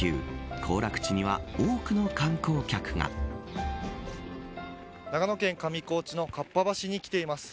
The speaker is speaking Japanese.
行楽地には長野県上高地のかっぱ橋に来ています。